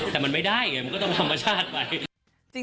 แต่มันไม่ได้ไงมันก็ต้องธรรมชาติไป